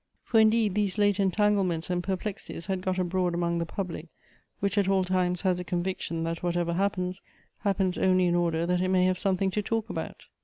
For indeed those late entanglements and perplexities had got abroad among the jjublic, which at all times has a conviction that wh.atever happens, happens only in order that it may have something to talk about.